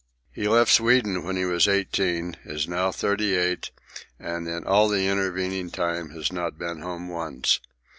He left Sweden when he was eighteen, is now thirty eight, and in all the intervening time has not been home once.